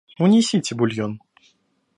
Унесите бульон.